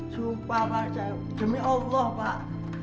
sumpah pak saya demi allah pak